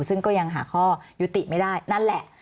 ซึ่งก็ยังหาข้อยุติไม่ได้นั่นแหละ